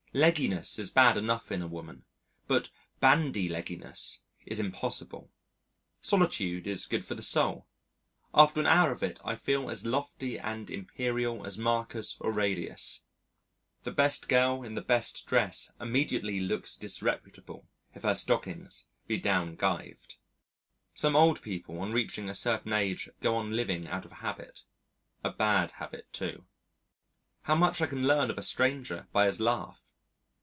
Legginess is bad enough in a woman, but bandy legginess is impossible. Solitude is good for the soul. After an hour of it, I feel as lofty and imperial as Marcus Aurelius. The best girl in the best dress immediately looks disreputable if her stockings be downgyved. Some old people on reaching a certain age go on living out of habit a bad habit too. How much I can learn of a stranger by his laugh.